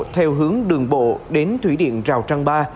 theo hướng đường bộ đến thủy điện rào trăng ba